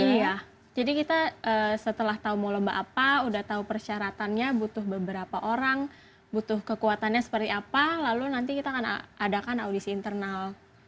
iya jadi kita setelah tahu mau lomba apa udah tahu persyaratannya butuh beberapa orang butuh kekuatannya seperti apa lalu nanti kita akan adakan audisi internal